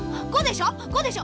「ご」でしょ